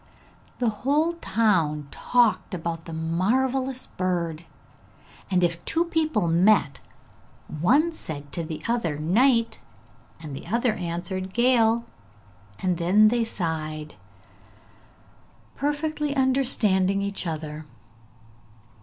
The whole town talked about the marvellous bird, and if two people met, one said to the other 'Night,' and the other answered 'Gale,' and then they sighed, perfectly understanding each other.